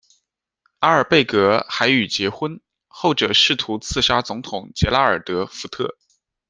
阿尔贝格还与结婚，后者试图刺杀总统杰拉尔德·福特。